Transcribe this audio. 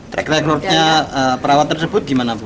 track record nya perawat tersebut gimana bu